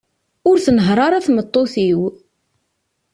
Ur tnehher ara tmeṭṭut-iw.